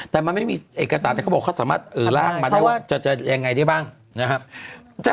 แต่มันไม่มีเอกสารแต่เขาบอกเขาสามารถร่างมาได้ว่าจะยังไงได้บ้างนะครับ